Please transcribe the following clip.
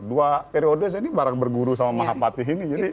dua periode saya ini barang berguru sama mahapati ini